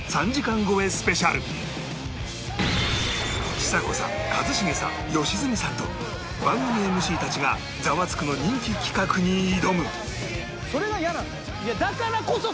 ちさ子さん一茂さん良純さんと番組 ＭＣ たちが『ザワつく！』の人気企画に挑む